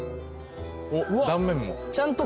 おっ断面も。